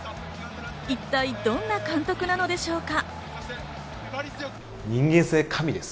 一体どんな監督なのでしょうか？